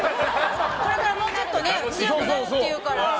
これからもうちょっと強くなるっていうから。